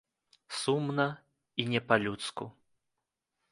Сумна і не па-людску.